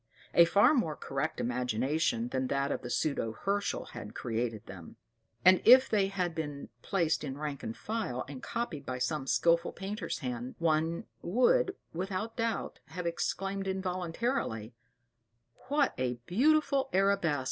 A far more correct imagination than that of the pseudo Herschel* had created them; and if they had been placed in rank and file, and copied by some skilful painter's hand, one would, without doubt, have exclaimed involuntarily, "What a beautiful arabesque!"